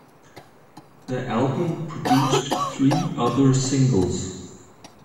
The album produced three other singles.